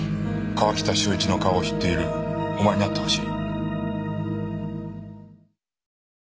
川喜多修一の顔を知っているお前に会ってほしい。